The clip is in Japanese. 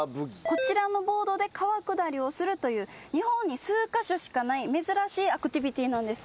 こちらのボードで川下りをするという日本に数カ所しかない珍しいアクティビティーなんです。